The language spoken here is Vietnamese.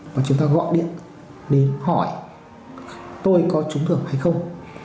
và chúng ta gọi điện để hỏi tôi có trúng thưởng hay không